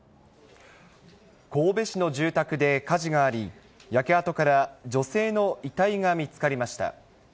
神戸市の住宅で火事があり、焼け跡から女性の遺体が見つかりました。